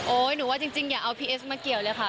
หนูว่าจริงอย่าเอาพี่เอสมาเกี่ยวเลยค่ะ